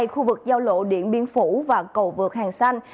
khu vực giao lộ điện biên phủ và cầu vượt hàng xanh